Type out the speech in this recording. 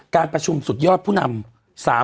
การประชุมสุดยอดผู้นำ